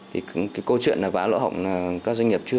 thì cái câu chuyện là vá lỗ hỏng là các doanh nghiệp chưa